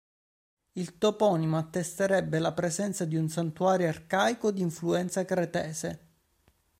Il toponimo attesterebbe la presenza di un santuario arcaico di influenza cretese.